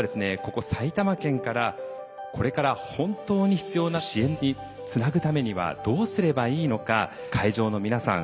ここ埼玉県からこれから本当に必要な支援につなぐためにはどうすればいいのか会場の皆さん